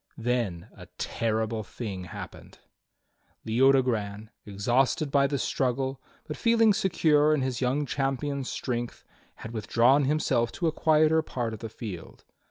Then a terrible thing happened. Leodogran, exhausted by the struggle, but feeling secure in his young champion's strength, had withdrawn himself to a quieter part of the field.